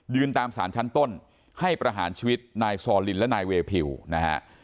ตามสารชั้นต้นให้ประหารชีวิตนายซอลินและนายเวพิวนะฮะ